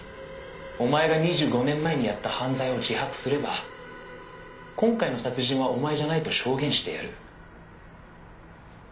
「お前が２５年前にやった犯罪を自白すれば今回の殺人はお前じゃないと証言してやる」